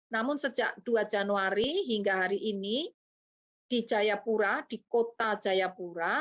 namun sejak dua januari hingga hari ini di jayapura di kota jayapura